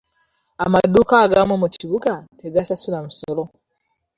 Amaduuka agamu mu kibuga tegasasula musolo.